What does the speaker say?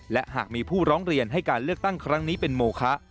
และหากมีผู้ร้องเรียนให้การเลือกตั้งครั้งนี้เป็นโมคะ